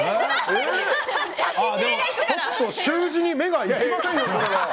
習字に目がいきませんよ。